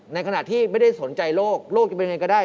ในขณะที่ไม่ได้สนใจโลกโลกจะเป็นยังไงก็ได้